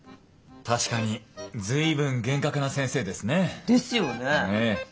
確かに随分厳格な先生ですね。ですよね。